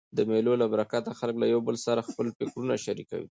د مېلو له برکته خلک له یو بل سره خپل فکرونه شریکوي.